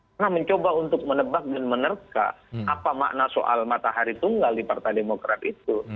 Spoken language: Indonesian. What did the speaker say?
karena mencoba untuk mendebak dan menerka apa makna soal matahari tunggal di partai demokrat itu